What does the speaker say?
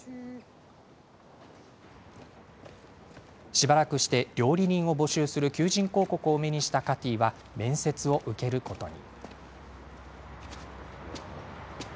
しばらくして料理人を募集する求人広告を目にしたカティは面接を受けることに。